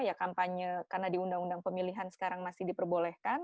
ya kampanye karena di undang undang pemilihan sekarang masih diperbolehkan